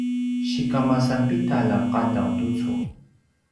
sikamasan pidalj a qadaw tucu?